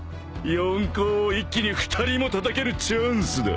［四皇を一気に２人もたたけるチャンスだ］